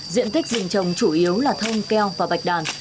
diện tích rừng trồng chủ yếu là thông keo và bạch đàn